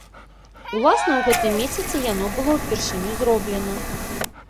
Уласна ў гэтым месяцы яно было ўпершыню зроблена.